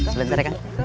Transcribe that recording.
sebentar ya kang